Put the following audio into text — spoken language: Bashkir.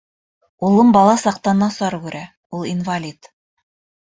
Улым бала саҡтан насар күрә, ул — инвалид.